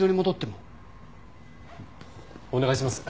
お願いします。